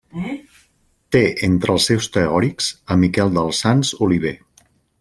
Té entre els seus teòrics a Miquel dels Sants Oliver.